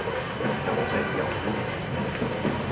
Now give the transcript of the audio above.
又食又拎